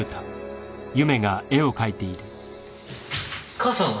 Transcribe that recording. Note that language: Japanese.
母さんは？